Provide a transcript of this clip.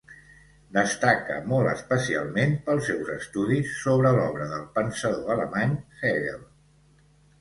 Destaca molt especialment pels seus estudis sobre l'obra del pensador alemany Hegel.